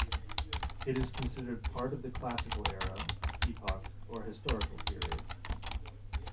It is considered part of the Classical era, epoch, or historical period.